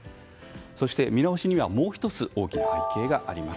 そして、見直しにはもう１つ大きな関係があります。